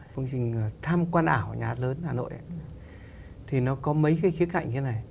công trình tham quan ảo nhà hát lớn hà nội thì nó có mấy cái khía cạnh như thế này